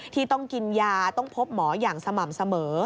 ที่ต้องกินยาต้องพบหมออย่างสม่ำเสมอ